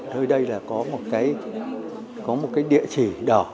nơi đây là có một cái địa chỉ đỏ